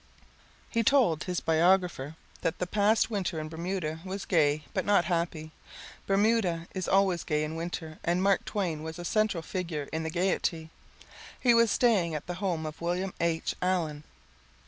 He told his biographer that the past Winter in Bermuda was gay but not happy. Bermuda is always gay in Winter and Mark Twain was a central figure in the gayety. He was staying at the home of William H. Allen.